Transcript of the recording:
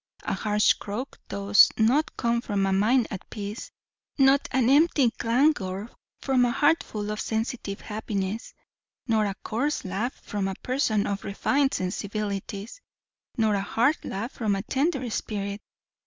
A harsh croak does not come from a mind at peace, nor an empty clangour from a heart full of sensitive happiness; nor a coarse laugh from a person of refined sensibilities, nor a hard laugh from a tender spirit.